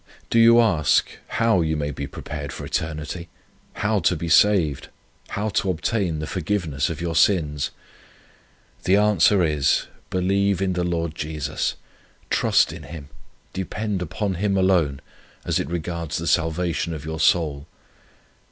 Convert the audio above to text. Do you ask, how you may be prepared for eternity, how to be saved, how to obtain the forgiveness of your sins? The answer is, believe in the Lord Jesus, trust in Him, depend upon Him alone as it regards the salvation of your soul.